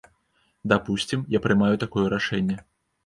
Дапусцім, я прымаю такое рашэнне.